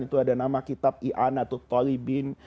itu ada nama kitab i'anatut talibin